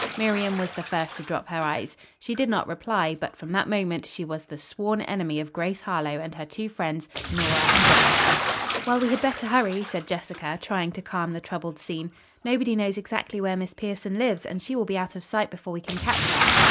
Miriam was the first to drop her eyes. She did not reply, but from that moment she was the sworn enemy of Grace Harlowe and her two friends, Nora and Jessica. "Well, we had better hurry," said Jessica, trying to calm the troubled scene. "Nobody knows exactly where Miss Pierson lives and she will be out of sight before we can catch her."